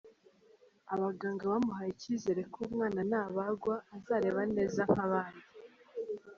Abaganga bamuhaye icyizere ko umwana nabagwa azareba neza nk’abandi.